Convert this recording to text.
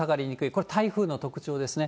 これ、台風の特徴ですね。